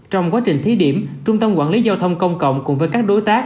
trong quá trình thí điểm trung tâm quản lý giao thông công cộng cùng với các đối tác